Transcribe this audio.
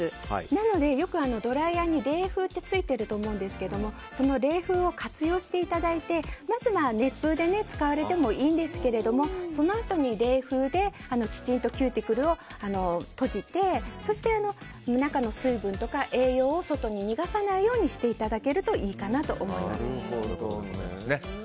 なので、よくドライヤーに冷風ってついてると思うんですがその冷風を活用していただいてまず熱風で使われてもいいんですけどそのあとに冷風できちんとキューティクルを閉じてそして、中の水分とか栄養を外に逃がさないようにしていただけるといいかなと思います。